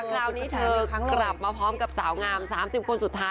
คราวนี้เธอกลับมาพร้อมกับสาวงาม๓๐คนสุดท้าย